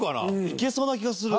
いけそうな気がする。